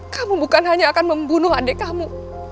kamu bukan hanya akan membunuh adik kamu